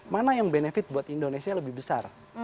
mana yang benefit buat indonesia lebih besar